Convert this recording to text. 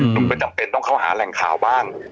ไม่จำเป็นต้องเข้าหาแหล่งข่าวบ้าง